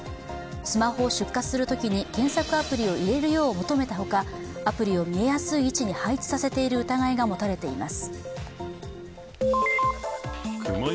スマホを出荷するときに検索アプリを入れるよう求めたほか、アプリを見えやすい位置に配置させている疑いが持たれています。